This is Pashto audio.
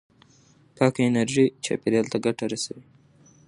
پاکه انرژي چاپېریال ته ګټه رسوي.